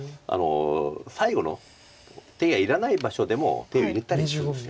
最後の手入れがいらない場所でも手を入れたりするんです